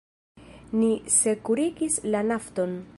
Ni sekurigis la Nafton.